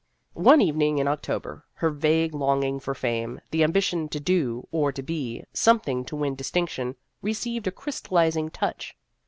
One evening in October, her vague longing for fame the ambition to do, or to be, something to win distinction re ceived a crystallizing touch.